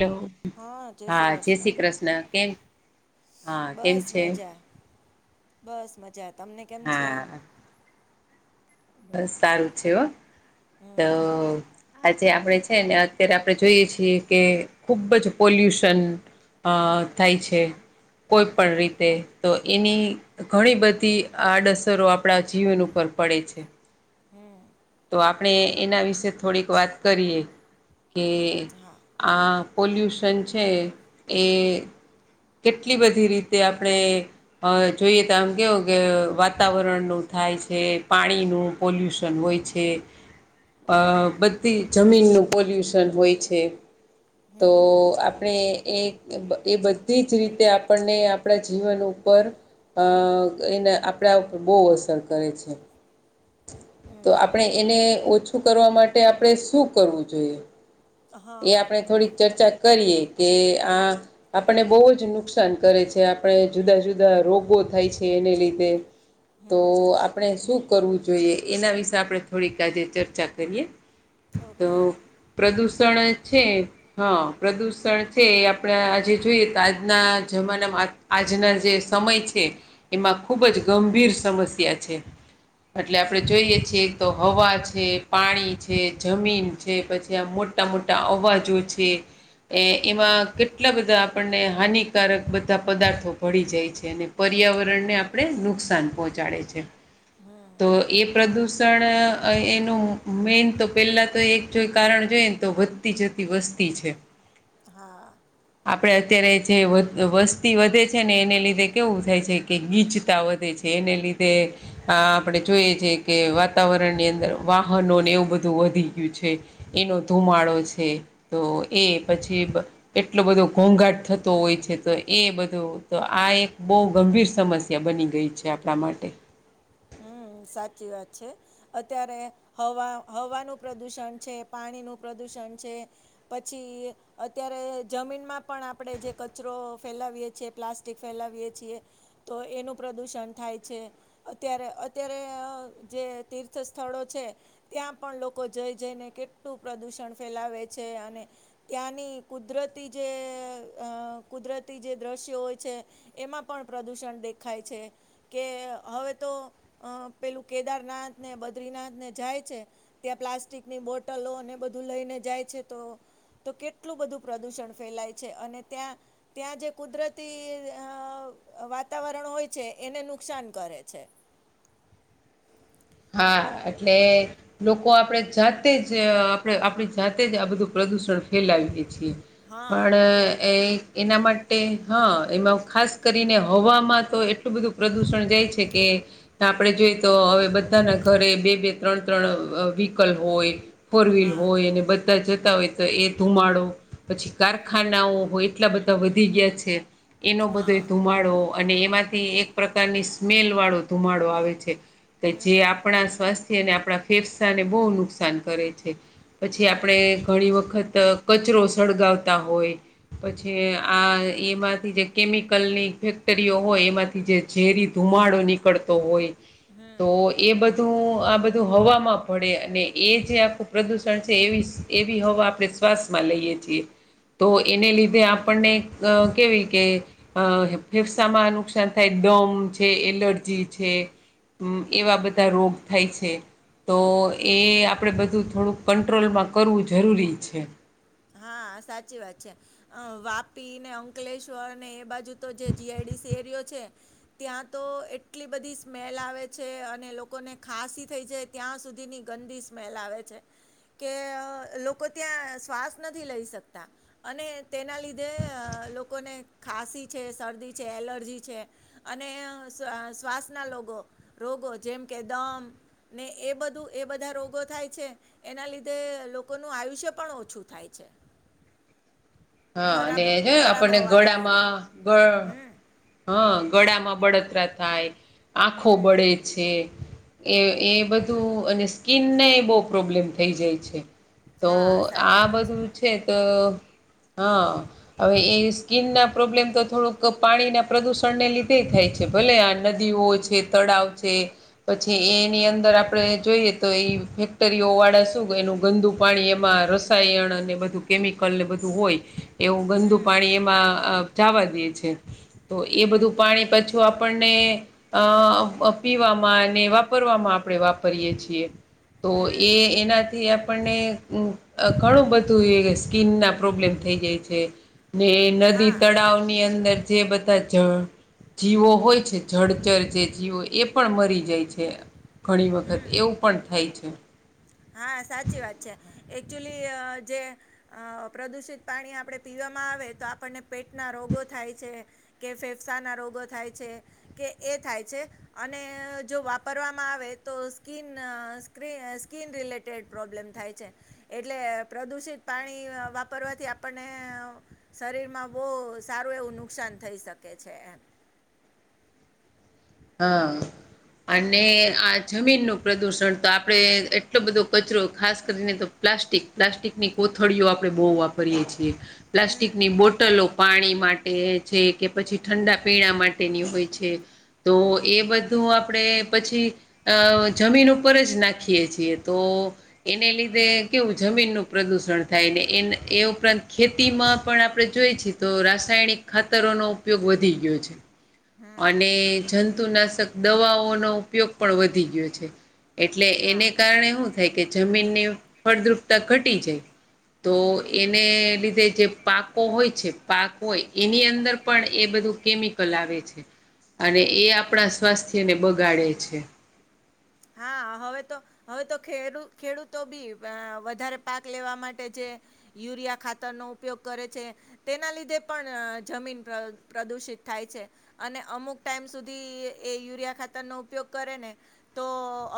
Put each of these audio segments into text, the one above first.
[unintelligible] હા જય શ્રી કૃષ્ણ કેમ હા કેમ બસ છે? મજા બસ મજા તમને કેમ છે? હા બસ સારું છે હો તો આજે આપણે છે ને અત્યારે આપણે જોઈએ છીએ કે ખુબ જ પોલ્યુશન અ થાય છે કોઈ પણ હમ રીતે તો એની ઘણી બધી આડઅસરો આપણા જીવન ઉપર પડે છે. હમ તો આપણે એના વિશે થોડીક વાત કરીએ કે હા આ પોલ્યુશન છે એ કેટલી બધી રીતે આપણે હ જોઈએ તો આમ કેવું કે વાતાવરણનું થાય છે પાણી નું પોલ્યુશન હોય છે. જે બધી જમીનનું પોલ્યુશન હોય છે. તો હમ આપણે એ એ બધી જ રીતે આપણને આપણા જીવન ઉપર એને આપણા ઉપર બહુ અસર કરે છે હમ તો આપણે એને ઓછું કરવા માટે આપણે શું કરવું જોઈએ હા એ આપણે થોડીક ચર્ચા કરીએ કે આ આપને બહુ જ નુકસાન કરે છે આપણે જુદા જુદા રોગો થાય છે એને લીધે તો હમ આપણે શું કરવું જોઈએ એના વિશે આપણે થોડીક આજે ચર્ચા કરીએ તો ઓકે પ્રદૂષણ છે હા પ્રદુષણ છે એ આપણે આજે જોઈએ તો આજના જમાનામાં આજના જે સમય છે એમાં ખૂબ જ ગંભીર સમસ્યા છે. એટલે આપણે હમ જોઈએ છીએ તો હવા છે, પાણી છે, જમીન છે, પછી આ મોટા મોટા અવાજો છે. એ હમ એમાં કેટ લા બધા આપણને હાનિકારક બધા પદાર્થો ભળી જાય છે અને પર્યાવરણને આપણે આપણે નુકસાન પહોંચાડે છે હમ તો એ પ્રદૂ સણ એનું મેન તો પહેલાં તો એક જો કારણ જોઈએ ને તો વધતી જતી વસ્તી છે. હા આપડે અત્યારે જે વસ્તી વધે છે ને એને લીધે કેવું થાય છે કે ગીચતા વધે છે એને લીધે આપણે જોઈએ છેએ કે વા તાવરણની અંદર વાહનોને એવું બધું વધી ગયું છે એનો ધુમાડો છે. તો એ પછી એટલો બધો ઘોંઘાટ થતો હોય છે તો એ બધું તો આ એક બહુ ગંભીર સમ સ્યા બની ગઈ છે આપણા માટે હમ સાચી વાત છે. અત્યારે હવા હવાનું પ્રદુષણ છે, પાણીનું પ્રદુષણ છે, પછી અત્યારે જમીનમાં પણ આપણે જે કચરો ફેલાવીએ છીએ પ્લાસ્ટિક ફેલાવીએ છીએ તો એનું પ્રદૂષણ થાય છે. ત્યારે અત્યારે જે તીર્થ સ્થળો છે. ત્યાં પણ લોકો જઈ જઈને કેટલું પ્રદુષણ ફેલાવે છે અને ત્યાંની કુદરતી જે કુદરતી જે દૃશ્યો હોય છે. એમાં પણ પ્રદૂષણ દેખાય છે કે હવે તો પેલું કેદારનાથને બદ્રીનાથને જાય છે. ત્યાં પ્લાસ્ટિકની બોટલો અને બધું લઈને જાય છે તો તો કેટલું બધું પ્રદુષણ ફેલાય છે અને ત્યાં ત્યાં જે કુદરતી વાતાવરણ હોય છે એને નુકસાન કરે છે [inaudible] હા એટલે લોકો આપણેે જાતે જ આપણે આપણી જાતે જ આ બધું પ્રદુષણ ફેલાવીએ છીએ હા પણ એ એના માટે હા એમાં ખાસ કરીને હવામાં તો એટલું બધું પ્રદૂષણ જાય છે કે આપડે જોઈએ તો હવે બધા બધાના ઘરે બે બે ત્રણ ત્રણ વ્હીકલ હોય ફોર વ્હીલ હા હોય અને બધ જતા હોય તો એ ધુમાડો પછી કારખાનાઓ હોય એટલા બધા વધી ગયા છે એનો બધો એ હા ધુમાડો અને એમાંથી એક પ્રકારની સ્મેલ વાળો ધુમાડો આવે છે કે જે આપણા સ્વાસ્થ્ય અને આપણા ફેફસાને બહુ નુકસાન કરે છે પછી આપણે ઘણી વખત કચરો સળગાવતા હોય પછી આ એમાંથી જે કેમિકલની ફેક્ટરીઓ હોય એમાંથી જે ઝેરી ધુમાડો નીકળતો હોય હમ તો એ બધું આ બધું હવામાં પડે અને એ જે આખું પ્રદૂષણ છે એવી એ બી હવા આપણે શ્વાસમાં લઈએ છીએ તો હમ એને લીધે આપણને અ કેવી કે અ ફેફસામાં નુકસાન થાય દમ છે એલર્જી છે એવા હમ બધા રોગ થાય છે તો એ આપણે બધું થોડુંક કંટ્રોલમાં કરવું જરૂરી છે હા સાચી વાત છે અ વાપી ને અંકલેશ્વર ને એ બાજુ તો જે જીઆઈડીસી એરયો છે ત્યાં તો એટલી બધી સ્મેલ આવે છે અને લોકોને ખંાસી થઈ જાય ત્યાં સુધીની ગંદી સ્મેલ આવે છે કે લોકો ત્યાં સ્વાસ્ નથી લઈ શકતા અને તેના લીધે લોકોને ખાંસી છે શરદી છે એલર્જી છે અને શ્વાસના રગો રોગો જેમ કે દમ ને એ બધું એ બધા રોગો થાય છે એના લીધે લોકોનું આયુ પણ ઓછું છે થાય છે હા ખરાબ અને છે ખરાબ આપણને હવાના લીધે ગળામાં ગળ હમ હા ગળામાં બળતરા થાય આંખો હમ બળે છે એ એ બધું અને સ્કીિનને બહુ પ્રોબ્લેમ થઈ જાય છે તો હા સાચી આ વાત બધું છે તો હા હવે એ સ્કીિન ના પ્રોબ્લેમ તો થોડુંક પાણીના પ્રદુષણને લીધે થાય છે ભલે આ નદીઓ જ છે તળાવ છે પછી એની અંદર આપડે જોઈએ તો એ ફેક્ટરીઓ વાળા શું કે એનું ગંદુક પાણી એમાં રસાયણ અને બધું કેમિકલને બધું હોય એવું ગંદુ હમ પાણી એમાં જવા દે છે તો એ હમ બધું પાણી પછી જો આપણને અ પીવામાં અને વાપરવામાં આપણે વાપરીયએ છીએ તો હમ એ એનાથી આપણને ઘણું બધું એ સ્કીનના પ્રોબ્લેમ થઈ જાય છે ને નદી હા તળાવ ની અંદર જે બધા જ જીવો હોય છે જળચર જે જીવો એ પણ મરી જાય છે ઘણી વખત હમ એવું પણ થાય છે હા સાચી વાત છે એકક્ચુલી જે અ પ્રદુષિત પાણી આપણે પીવામાં આવે તો આપણને પેટના રોગો થાય છે કે ફેફસા ના રોગો થાય છે કે એ થાય છે અને જો વાપરવામાં આવે તો સ્કીન સ્ સ્કીન રિલેટેડ પ્રોબ્લેમ થાય છે એટલે પ્રદુષિત પાણી વાપરવાથી આપણને શરીરમાં બહુ સારું એવું નુકસાન થઈ શકે છે એમ હા અને આ જમીનનું પ્રદુષણ તો આપણેે એટલો બધો કચરો ખાસ કરીને તો પ્લાસ્ટિક, પ્લાસ્ટિકની કોથળીઓ આપણે બહુ વાપરીએ છીએ, હમ પ્લાસ્ટિકની બોટલો પાણી માટે છે કે પછી ઠંડા પીણા માટેની હોય છે તો એ બધું આપણેે પછી અ જમીન ઉપર જ નાખીએ છીએ તો એને લીધે કેવું જમીન નું પ્રદુષણ થાયને એ એ ઉપરાંત ખેતીમાં પણ આપણે જોઈ છે તો રાસાયણિક ખાતરોનો ઉપયોગ વધી ગ્યૌ છે [inaudible] અને જંતુનાશક દવાઓનો ઉપયોગ પણ વધી ગયો છે એટલે હા એને કારણે એવું થાય કે જમીનની ફળદ્રુપતા ઘટી જાય તો હમ એને લીધે જે પાકો હોય છે પાક હોય એની અંદર પણ એ બધું કેમિકલ આવે છે અને એ આપણા સ્વાસ્થ્યને બગાડે છે હા, હવે તો હવે તો ખેડ ખેડૂતો બી વધારે પાક લેવા માટે જે યુરિયા ખાતરનો ઉપયોગ કરે છે તેના લીધે પણ જમીન પ્ર પ્રદુષિત થાય છે અને અમુક ટાઈમ સુધી એ યુરિયા ખાતરનો ઉપયોગ કરે ને તો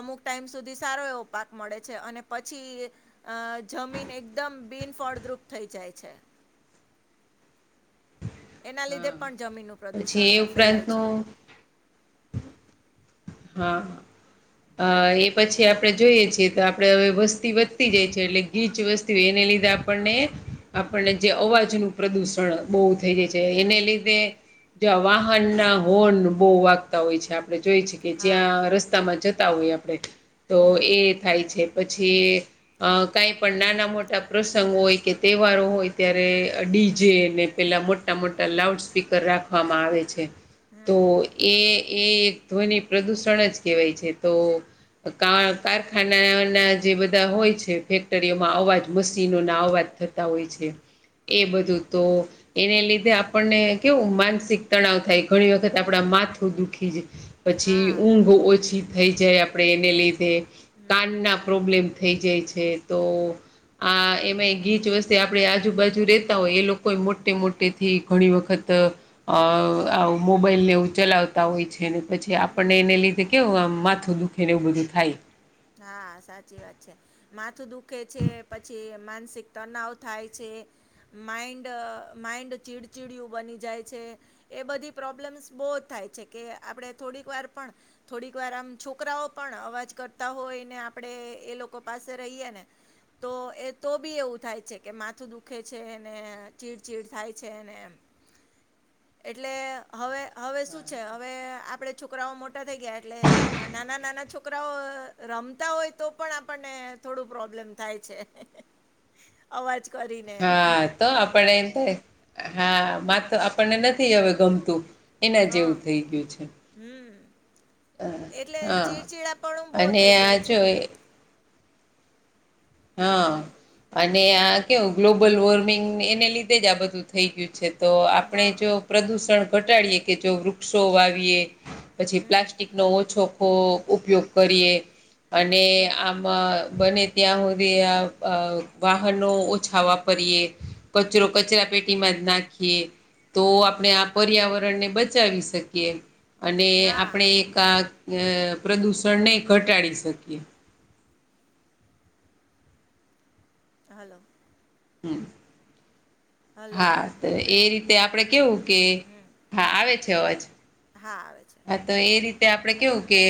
અમુક ટાઈમ સુધી સારો એવો પાક મળે છે અને પછી અ જમીન એકદમ બિનફળદ્રુપ થઈ જાય છે એના લીધે હા. પણ જમીનનું પછી પ્રદૂષણ એ ફેલાય છે ઉપરાંતનું હા અ એ પછી આપડે જોઈએ છીએ તો આપડે હવે વસ્તી વધતી જાય છે એટલે ગીચ વસ્તી એને લીધે આપણને, આપણને જે હમ અવાજનું પ્રદૂષણ બહુ થઈ જાય છે એને લીધે વાહન ના હોર્ન બહુ વાગતા હોય છે આપડે જોઈ છે કે હા જ્યાં રસ્તામાં જતા હોય આપણે તો હમ એ થાય છે પછી અ કાઈ પણ નાના મોટા પ્રસંગ હોય કે તહેવારો હોય ત્યારે ડીજે ને પેલા મોટા મોટા લાઉડ સ્પીકર રાખવામાં આવે છે હમ તો એ, એ એક ધ્વનિ પ્રદૂષણ જ કહેવાય છે તો કાર કારખાના ના જે બધા હોય છે, ફેક્ટરીઓમાં અવાજ મશીનો ના અવાજ ને તા હોય છે એ બધું હમ તો એને લીધે આપણને કેવું માનસિક તણાવ થાય ઘણી વખત આપડા માથું દુખી જે પછી હા ઊંઘ ઓછી થઈ જાય આપડે એને લીધે હમ કાનના પ્રોબ્લેમ થઈ જાય છે તો આ એમાં ગીચ વસ્તી આ આપણે આજુબાજુ રેતા હોય એ લોકોએ મોટે મોટે થી ઘણી વખત અ આવું મોબાઈલને એવું ચલાવતા હોય છેને પછી આપણને એને હમ લીધે કેવું આમ માથું દુખે ને એવું બધું થાય હા, સાચી વાત છે માથું દુખે છે પછી માનસિક તનાવ થાય છે માઇન્ડ માઇન્ડ ચીડચિડિયું બની જાય છે એ બધી પ્રોબ્લેમ્સ બો જ થાય છે કે આપણે થોડીક વાર પણ થોડીક વાર આમ છોકરાઓ પણ અવાજ કર તા હોયને આપડે એ લોકો પાસે રહીએ ને તો એ તો બી એવું થાય છે કે માથું દુખે છે ને ચીડ ચીડ થાય છે ને એમ એટલે હવે હવે શું છે હવે આપડે છોકરાઓ મોટા થઈ ગ્યા એટલે નાના નાના છોકરાઓ રમતા હોય તો પણ આપણને થોડું પ્રોબ્લેમ થાય છે અવાજ કરીને એમ. હા તો આપણે એમ થાય હા મા તો આપણને નથી હવે ગમતું એના જેવું થઈ ગ્યું છે. હમ્મ એટલે હા ચીરચીડા પણું બો અને થઇ આ જાય છે. જો હા હમ અને આ કેવું ગ્લોબલ વોર્મિંગ એને લીધે જ આ બધું થઈ ગ્યું છે તો આપણે હા જો પ્રદુષણ ઘટાડીએ કે જો વૃક્ષો વાવીએ પછી હમ પ્લાસ્ટિક નો ઓછો ખો ઉપયોગ કરીએ. અને હમ આમાં બને ત્યાં હું દી આ અ વાહનો ઓછા વાપરીએ કચરો કચરા પેટીમાં જ નાખીએ. તો આપણે આ હમ પર્યાવરણને બચાવી શકીએ અને હા આપણે એક આ પ્રદૂષણને ઘટાડી શકીએ. હલો. હમ્મ હલો હા તો એ રીતે આપડે કેવું કે હમ હા આવે છે અવાજ. હા આવે છે તો એ રીતે આપડે કેવું કે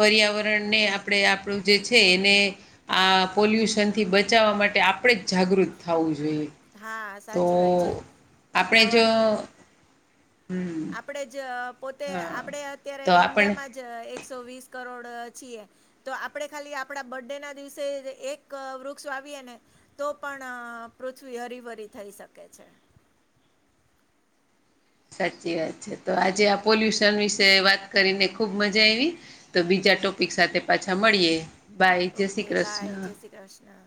પર્યાવરણને આપણે આપણું જે છે એને આ પોલ્યુશન થી બચાવવા માટે આપણે જ જાગૃત થવું જોઈએ હા તો સાચી વાત છે આપણેે જો નવાના હમ્મ આપણે જ પોતે આપણેે અત્યારે તો આપણે ઈન્ડિયામાં જ એકસો વીસ કરોડ છીએ તો આપણે ખાલી આપણા બર્થ ડે ના દિવસે એક વૃક્ષ વાવીએે ને તો પણ પૃથ્વી હરીભરી થઈ શકે છે સાચી વાત છે તો આજે આ પોલ્યુશન વિશે વાત કરીને ખુબ મજા આવી તો બીજા ટોપિક સાથે પાછા મળીએ બાય જય શ્રી ઓકે બાય કૃષ્ણ જય શ્રી કૃષ્ણ